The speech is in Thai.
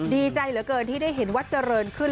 ดีใจเหลือเกินที่ได้เห็นวัดเจริญขึ้น